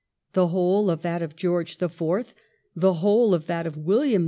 the whole of that of George IV. ; the whole of that of William IV.